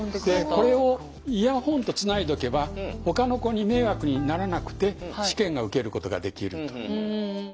これをイヤホンとつないでおけばほかの子に迷惑にならなくて試験が受けることができると。